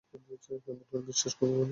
কেমনে বিশ্বাস করবো মানে?